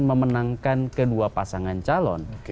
memenangkan kedua pasangan calon